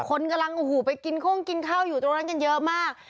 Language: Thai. คนกำลังโอ้โหไปกินโค้งกินข้าวอยู่ตรงนั้นกันเยอะมาก